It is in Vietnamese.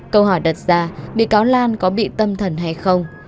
câu hỏi đặt ra bị cáo lan có bị tâm thần hay không